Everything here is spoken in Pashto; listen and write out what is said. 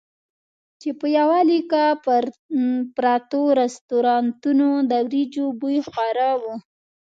چې په یوه لیکه پرتو رستورانتونو د وریجو بوی خواره وو.